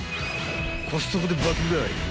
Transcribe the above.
コストコで爆買い。